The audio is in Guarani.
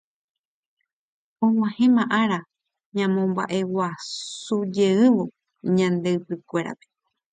Og̃uahẽma ára ñamombaʼeguasujeývo Ñande Ypykuérape.